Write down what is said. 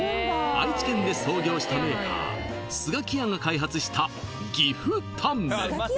愛知県で創業したメーカー寿がきやが開発した岐阜タンメン